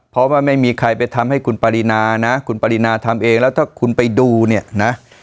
เพราะว่าไม่มีใครไปทำให้คุณปรินานะคุณปรินาทำเองแล้วถ้าคุณไปดูเนี่ยนะ